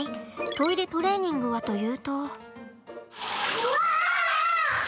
トイレトレーニングはというと。